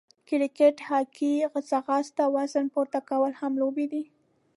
کرکېټ، هاکې، ځغاسته، وزن پورته کول هم لوبې دي.